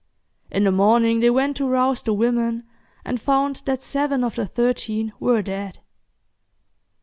In the morning they went to rouse the women, and found that seven of the thirteen were dead.